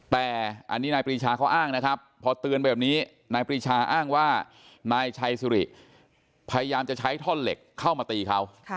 แต่อันนี้นายปรีชาเขาอ้างนะครับพอเตือนไปแบบนี้นายปรีชาอ้างว่านายชัยสุริพยายามจะใช้ท่อนเหล็กเข้ามาตีเขา